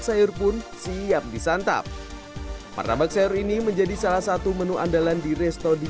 sayur pun siap disantap martabak sayur ini menjadi salah satu menu andalan di resto di